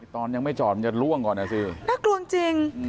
ตอนยังไม่จอดมันจะล่วงก่อนนะสิน่ากลัวจริง